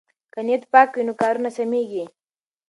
که نیت پاک وي نو کارونه سمېږي.